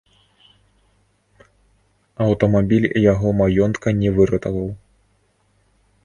Аўтамабіль яго маёнтка не выратаваў.